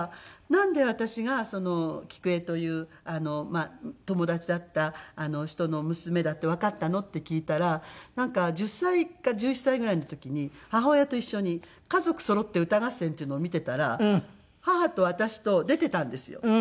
「なんで私が菊江という友達だった人の娘だってわかったの？」って聞いたらなんか１０歳か１１歳ぐらいの時に母親と一緒に『家族そろって歌合戦』っていうのを見ていたら母と私と出ていたんですよ。